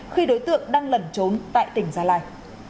khi đối tượng đang lẩn trốn tại tỉnh gia lai